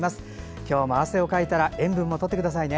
今日も汗をかいたら塩分もとってくださいね。